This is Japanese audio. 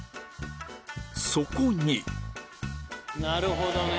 そこになるほどね。